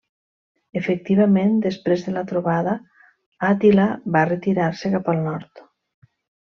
Efectivament després de la trobada Àtila va retirar-se cap al nord.